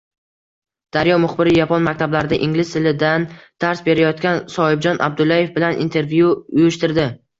Daryo muxbiri yapon maktablarida ingliz tilidan dars berayotgan Sohibjon Abdullayev bilan intervyu uyushtirdi